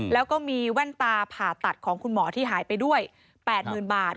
แล้วก็มีแว่นตาผ่าตัดของคุณหมอที่หายไปด้วย๘๐๐๐บาท